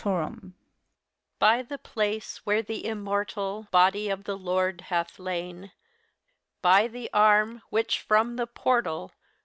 By the place, where the Immortal Body of the Lord hath lain; By the arm, which, from the portal.